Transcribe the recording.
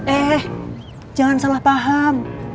eh jangan salah paham